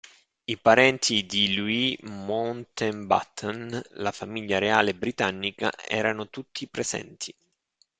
I parenti di Louis Mountbatten, la famiglia reale britannica, erano tutti presenti.